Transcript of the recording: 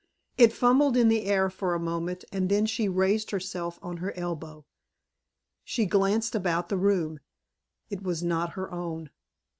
It fumbled in the air for a moment and then she raised herself on her elbow. She glanced about the room. It was not her own.